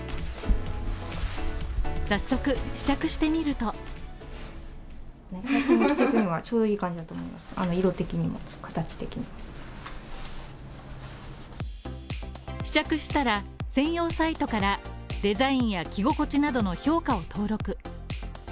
早速試着してみると試着したら、専用サイトからデザインや着心地などの評価を登録。